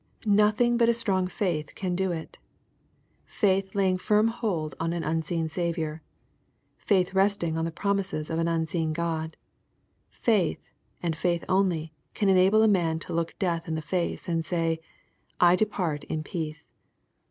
Nothing but strong faith can do it. Faith laying firm hold on an unseen Saviour, — ^faith rest ing on the promises of an unseen God, — faith, and faith only, can enable a man to look death in the face, and say, " I depart in peace."